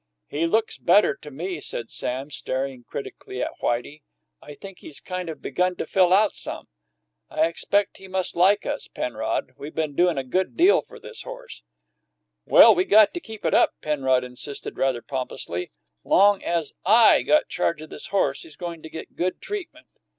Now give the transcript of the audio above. "He looks better to me," said Sam, staring critically at Whitey. "I think he's kind of begun to fill out some. I expect he must like us, Penrod; we been doin' a good deal for this horse." "Well, we got to keep it up," Penrod insisted rather pompously. "Long as I got charge o' this horse, he's goin' to get good treatment."